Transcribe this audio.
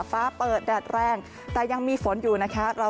ฟ้าเปิดแดดแรงแต่ยังมีฝนอยู่นะคะ